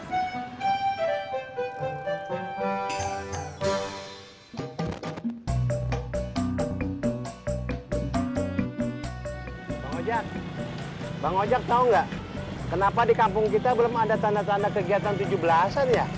pak ojek pak ojek tau gak kenapa di kampung kita belum ada tanda tanda kegiatan tujuh belas an ya